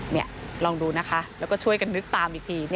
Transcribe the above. นี่ลองดูนะคะแล้วก็ช่วยกันนึกตามอีกที